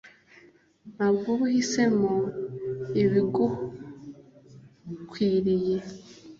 ntabwo uba uhisemo ibigukwiriye